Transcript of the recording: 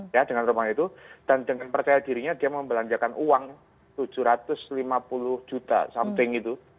ya dengan rumah itu dan dengan percaya dirinya dia membelanjakan uang tujuh ratus lima puluh juta something itu